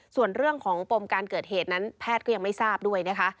ส่วนเรื่องของปมการเกิดเหตุนั้นแพทย์ก็ยังไม่ทราบด้วยนะคะ